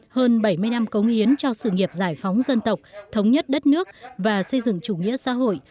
hơn bảy mươi năm cống hiến cho sự nghiệp giải phóng dân tộc thống nhất đất nước và xây dựng chủ nghĩa xã hội